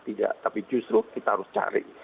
tidak tapi justru kita harus cari